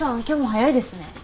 今日も早いですね。